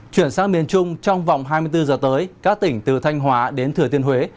chuyển sang miền trung trong vòng hai mươi bốn giờ tới các tỉnh từ thanh hóa đến thừa tiên huế